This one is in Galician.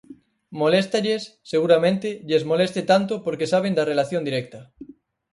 Moléstalles, seguramente lles moleste tanto porque saben da relación directa.